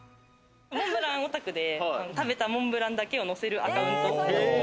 モンブランオタクで、食べたモンブランだけを載せるアカウントが。